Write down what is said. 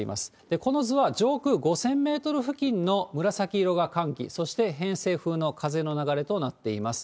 この図は、上空５０００メートル付近の紫色が寒気、そして偏西風の風の流れとなっています。